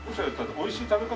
美味しい食べ方？